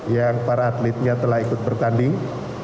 yang para atletnya telah ikut bertanding